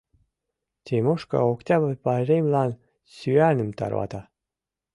Тимошка Октябрь пайремлан сӱаным тарвата.